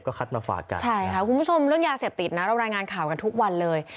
คัดมาฝากกันใช่ค่ะคุณผู้ชมเรื่องยาเสพติดนะเรารายงานข่าวกันทุกวันเลย